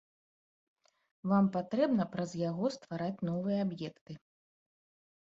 Вам патрэбна праз яго ствараць новыя аб'екты.